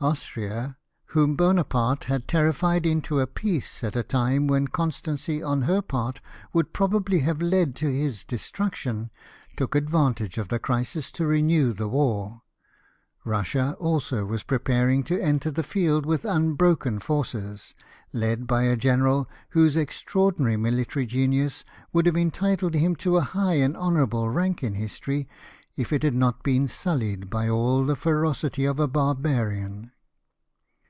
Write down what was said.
Austria, whom Buonaparte had terrified into a peace at a time when constancy on her part would probably have led to his destruction, took advantage of the crisis to renew the war. Russia also was preparing to enter the field with unbroken forces, led by a general Avhose extra ordinary military genius would have entitled him to a high and honourable rank in history if it had not been sullied by all the ferocity of a barbarian.